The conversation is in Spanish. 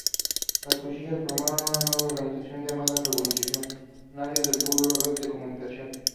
Las cuchillas formaron una nueva organización llamada Revolucionario del Pueblo Red de Comunicación.